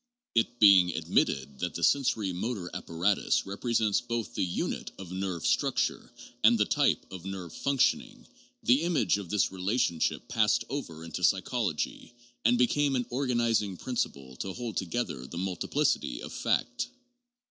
It being admitted that the sensori motor apparatus represents both the unit of nerve structure and the type of nerve function, the image of this relationship passed over into psychology, and became an or ganizing principle to hold together the multiplicity of fact.